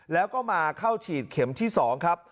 แล้วก็มาเข้าฉีดเข็มที่๒ครับ